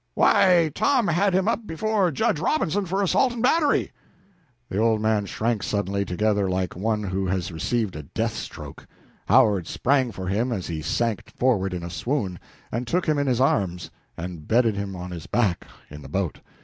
"Why, Tom had him up before Judge Robinson for assault and battery." The old man shrank suddenly together like one who has received a death stroke. Howard sprang for him as he sank forward in a swoon, and took him in his arms, and bedded him on his back in the boat.